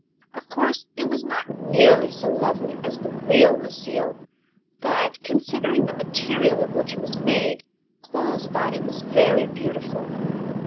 Of course it was not nearly so lovely as the real Necile; but, considering the material of which it was made, Claus thought it was very beautiful.